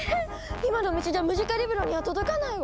今の道じゃムジカリブロには届かないわ！